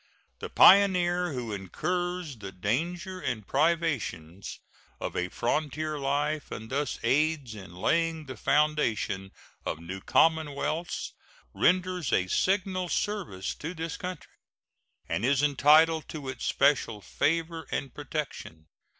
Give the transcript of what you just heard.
The pioneer who incurs the dangers and privations of a frontier life, and thus aids in laying the foundation of new commonwealths, renders a signal service to his country, and is entitled to its special favor and protection.